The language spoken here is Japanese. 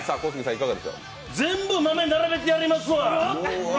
全部、豆並べてやりますわ！